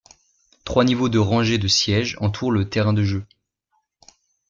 Trois niveaux de rangées de sièges entourent le terrain de jeu.